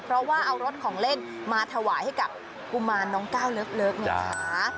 เพราะว่าเอารถของเล่นมาถวายให้กับกุมารน้องก้าวเลิฟนะคะ